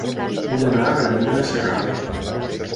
Vull anar a Granyena de Segarra